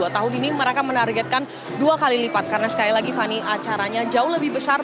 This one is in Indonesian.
tahun ini mereka menargetkan dua kali lipat karena sekali lagi fani acaranya jauh lebih besar